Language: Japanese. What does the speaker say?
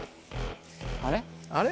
あれ？